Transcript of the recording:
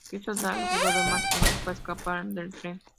Esto da al jugador más tiempo para escapar del tren.